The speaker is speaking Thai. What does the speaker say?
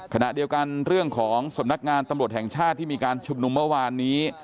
ขณะเดียวกันเรื่องของสำนักงานตำรวจแห่งชาติที่มีการชุมนุมเมื่อวานนี้